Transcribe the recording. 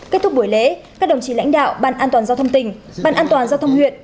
kết thúc buổi lễ các đồng chí lãnh đạo ban an toàn giao thông tỉnh ban an toàn giao thông huyện